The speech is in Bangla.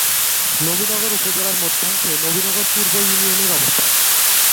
নবীনগর উপজেলার মধ্যাংশে নবীনগর পূর্ব ইউনিয়নের অবস্থান।